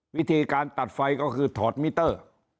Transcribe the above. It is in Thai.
วิธีการตัดไฟก็คือถอดมิเตอร์